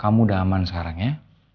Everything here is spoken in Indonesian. kamu udah aman sekarang ya